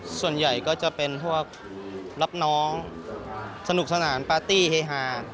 ส่วนใหญ่ก็จะเป็นพวกรับน้องสนุกสนานปาร์ตี้เฮฮา